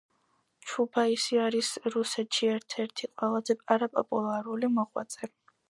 ჩუბაისი არის რუსეთში ერთ-ერთი ყველაზე არაპოპულარული მოღვაწე.